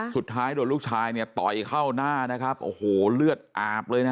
สุดท้ายโดนลูกชายเนี่ยต่อยเข้าหน้านะครับโอ้โหเลือดอาบเลยนะฮะ